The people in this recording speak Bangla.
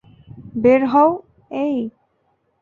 বের হও--- এই!